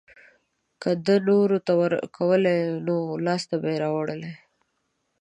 که ده نورو ته ورکولی نو لاسته به يې راوړلی.